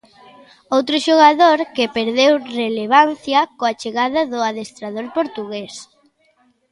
Outro xogador que perdeu relevancia coa chegada do adestrador portugués.